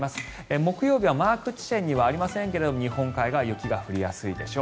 木曜日はマークにはありませんが日本海側は雪が降りやすいでしょう。